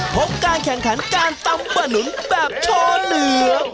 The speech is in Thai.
พบการแข่งขันการตำปะหนุนแบบโชว์เหลือง